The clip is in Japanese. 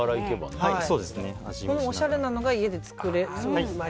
おしゃれなのが家で作れると。